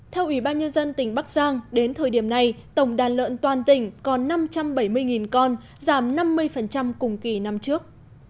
theo ủy ban nhân dân tỉnh bắc giang đến thời điểm này tổng đàn lợn toàn tỉnh còn năm trăm bảy mươi con giảm năm mươi cùng kỳ năm trước